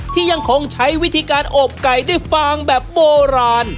ที่ยังคงใช้วิธีการอบไก่ด้วยฟางแบบโบราณ